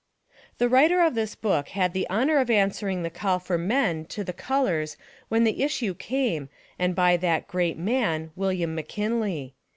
The writer of this book had the honor of answering the call for men to th^ colors vvhen the issue came and by that great man WILLIAM McKINLEY.